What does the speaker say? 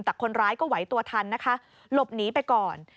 แต่คนร้ายก็ไหวตัวทันนะคะหลบหนีไปก่อน